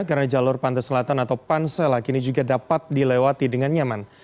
karena jalur pantai selatan atau pansela kini juga dapat dilewati dengan nyaman